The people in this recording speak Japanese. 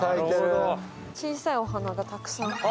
小さいお花がたくさん。